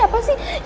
ya udah sampe ibu